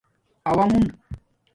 اݸ مُون